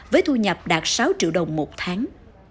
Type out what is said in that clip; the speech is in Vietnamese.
với thu nhập đạt sáu triệu đồng một tháng